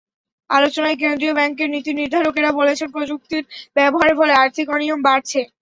আলোচনায় কেন্দ্রীয় ব্যাংকের নীতিনির্ধারকেরা বলেছেন, প্রযুক্তির ব্যবহারের ফলে আর্থিক অনিয়ম বাড়ছে।